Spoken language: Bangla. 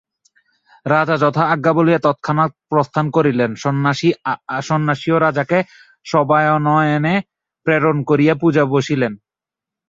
রাজা যথা আজ্ঞা বলিয়া তৎক্ষণাৎ প্রস্থান করিলেন, সন্ন্যাসীও রাজাকে শবানয়নে প্রেরণ করিয়া পূজায় বসিলেন।